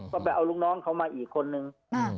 ก็ไปเอาลูกน้องเขามาอีกคนนึง